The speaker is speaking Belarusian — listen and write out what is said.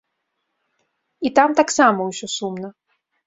І там таксама ўсё сумна.